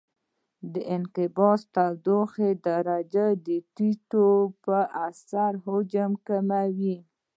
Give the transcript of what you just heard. انقباض د تودوخې درجې د ټیټېدو په اثر د حجم کموالی دی.